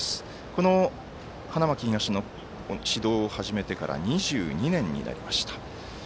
この花巻東の指導を始めてから２２年になりました。